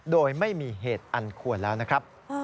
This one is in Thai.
โดยไม่มีเหตุอันควรแล้วนะครับ